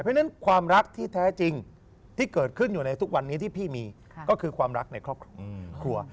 เพราะฉะนั้นความรักที่แท้จริงที่เกิดขึ้นอยู่ในทุกวันนี้ที่พี่มีก็คือความรักในครอบครัวครัว